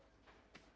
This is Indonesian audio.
ya taruh di situ